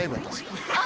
あ！